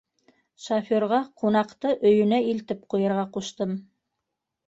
Шофёрға ҡунаҡты өйөнә илтеп ҡуйырға ҡуштым.